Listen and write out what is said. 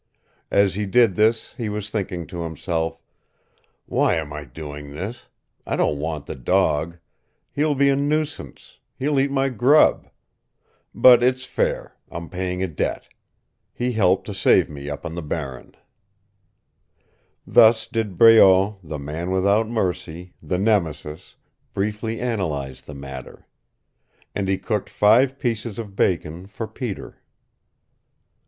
As he did this he was thinking to himself, "Why am I doing this? I don't want the dog. He will be a nuisance. He will eat my grub. But it's fair. I'm paying a debt. He helped to save me up on the Barren." Thus did Breault, the man without mercy, the Nemesis, briefly analyze the matter. And he cooked five pieces of bacon for Peter.